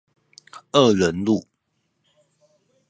二仁路